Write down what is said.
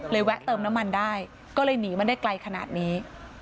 แวะเติมน้ำมันได้ก็เลยหนีมาได้ไกลขนาดนี้